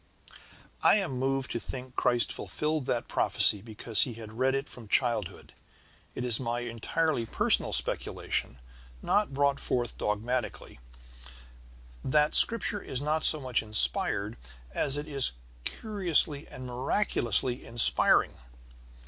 '" I am moved to think Christ fulfilled that prophecy because he had read it from childhood. It is my entirely personal speculation, not brought forth dogmatically, that Scripture is not so much inspired as it is curiously and miraculously inspiring.